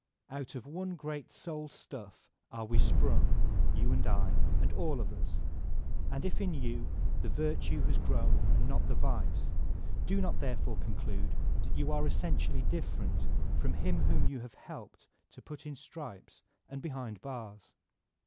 Out of one great soul stuff are we sprung, you and I and all of us ; and if in you the virtue has grown and not the vice, do not therefore conclude that you are essentially different from him whom you have helped to put in stripes and behind bars.